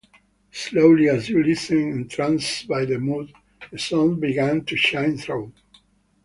Slowly as you listen, entranced by the mood, the songs begin to shine through.